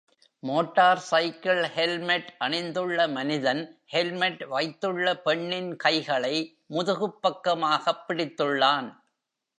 Motor cycle helmet அணிந்துள்ள மனிதன் helmet வைத்துள்ள பெண்ணின் கைகளை முதுகுப்பக்கமாக பிடித்துள்ளான்.